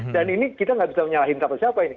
dan ini kita nggak bisa menyalahin sama siapa ini